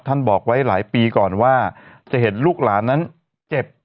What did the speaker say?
บอกไว้หลายปีก่อนว่าจะเห็นลูกหลานนั้นเจ็บ